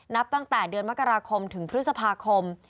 นับตั้งแต่เดือนมกราคมถึงพฤษภาคม